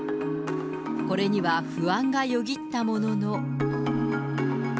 これには、不安がよぎったものの。